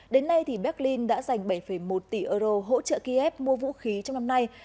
đến nay berlin đã giành bảy một tỷ euro hỗ trợ kiev mua vũ khí trong năm nay